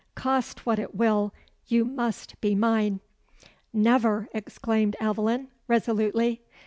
Cost what it will, you must be mine." "Never!" exclaimed Aveline, resolutely.